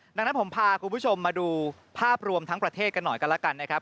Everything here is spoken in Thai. ดังนั้นผมพาคุณผู้ชมมาดูภาพรวมทั้งประเทศกันหน่อยกันแล้วกันนะครับ